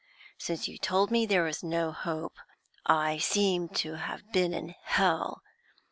Since you told me there was no hope, I seem to have been in hell.